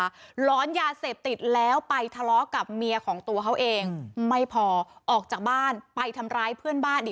หลอนยาเสพติดแล้วไปทะเลาะกับเมียของตัวเขาเองไม่พอออกจากบ้านไปทำร้ายเพื่อนบ้านอีก